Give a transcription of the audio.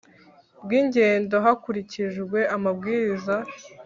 Bw ingendo hakurikijwe amabwiriza